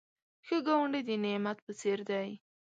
ښه ګاونډی د نعمت په څېر دی